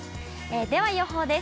では予報です。